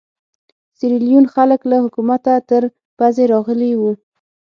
سیریلیون خلک له حکومته تر پزې راغلي وو.